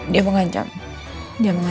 dia mengancam saya